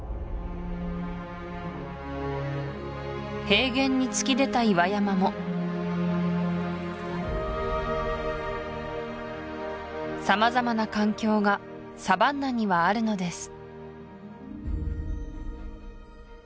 平原に突き出た岩山も様々な環境がサバンナにはあるのです